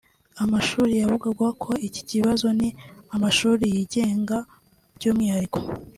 Amushuli yavugwagaho iki kibazo ni amashuli yigenga by’umwihariko